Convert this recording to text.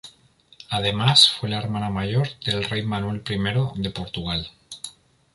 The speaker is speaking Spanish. Además fue la hermana mayor del rey Manuel I de Portugal.